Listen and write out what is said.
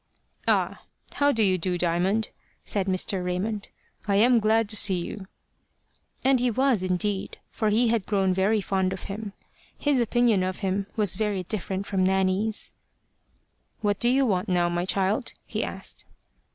"Ah! how do you do, Diamond?" said Mr. Raymond; "I am glad to see you." And he was indeed, for he had grown very fond of him. His opinion of him was very different from Nanny's. "What do you want now, my child?" he asked.